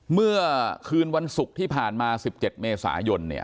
เมื่อคืนวันศุกร์ที่ผ่านมา๑๗เมษายน